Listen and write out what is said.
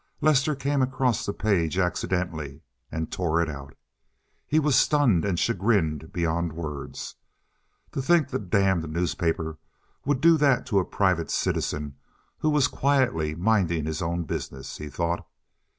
Lester came across the page accidentally, and tore it out. He was stunned and chagrined beyond words. "To think the damned newspaper would do that to a private citizen who was quietly minding his own business!" he thought.